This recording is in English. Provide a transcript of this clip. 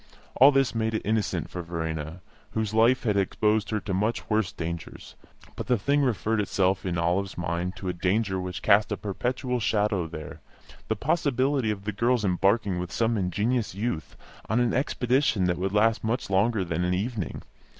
All this made it innocent for Verena, whose life had exposed her to much worse dangers; but the thing referred itself in Olive's mind to a danger which cast a perpetual shadow there the possibility of the girl's embarking with some ingenuous youth on an expedition that would last much longer than an evening.